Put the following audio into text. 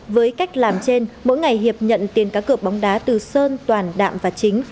với cách làm trên mỗi ngày hiệp nhận tiền cá cửa bóng đá từ sơn toàn đặng và chính